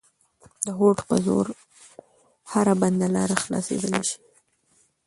د هوډ په زور هره بنده لاره خلاصېدلای سي.